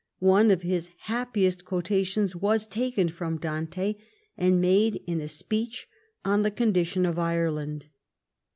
One of his happiest quotations was taken from Dante and made in a speech on the condition of Ireland.